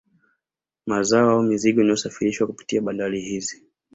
Mazao au mizigo inayosafirishwa kupitia bandari hizi